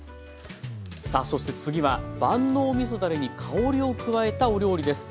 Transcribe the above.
さあそして次は万能みそだれに香りを加えたお料理です。